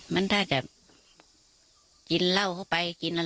แบบนั้นท่าจะกินเหล้าเข้าไปกินอะไร